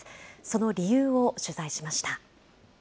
その理由を取材しました。